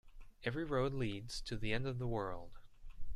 Every road leads to the end of the world.